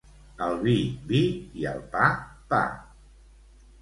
Al vi vi i al pa pa